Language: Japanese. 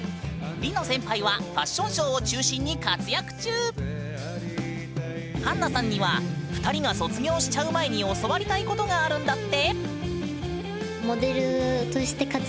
ファッションショーを中心に活躍中！はんなさんには２人が卒業しちゃう前に教わりたいことがあるんだって。